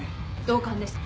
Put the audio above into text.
同感です。